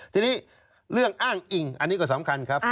ทีนี้เรื่องอ้างอิงอันนี้ก็สำคัญครับ